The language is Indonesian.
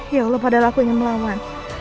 ya allah padahal aku ingin melawan